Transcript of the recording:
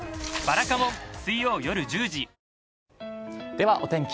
では、お天気。